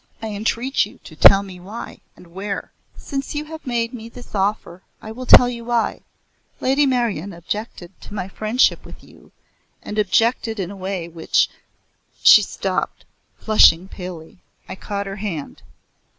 "I entreat you to tell me why, and where." "Since you have made me this offer, I will tell you why. Lady Meryon objected to my friendship with you, and objected in a way which " She stopped, flushing palely. I caught her hand.